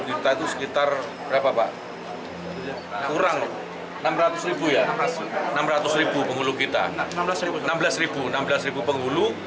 kita itu sekitar berapa pak kurang enam ratus ya enam ratus penghulu kita enam belas enam belas penghulu